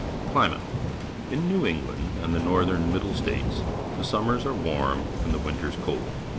Climate. — In New England and the North em Middle States the summers are warm and the winters cold.